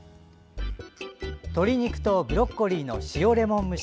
鶏肉とブロッコリーの塩レモン蒸し